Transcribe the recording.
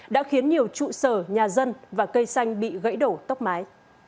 đã khiến nhiều trụ sở nhà dân và cây xanh bị gãy đổ tốc mái